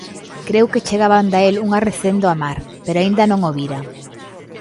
Creu que chegaba onda el un arrecendo a mar, pero aínda non o vira.